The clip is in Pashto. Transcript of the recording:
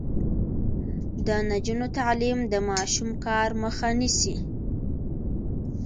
د نجونو تعلیم د ماشوم کار مخه نیسي.